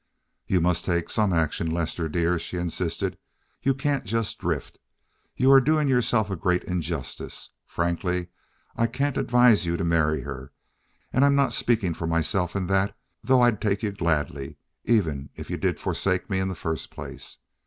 "You must take some action, Lester dear," she insisted. "You can't just drift. You are doing yourself such a great injustice. Frankly, I can't advise you to marry her; and I'm not speaking for myself in that, though I'll take you gladly, even if you did forsake me in the first place.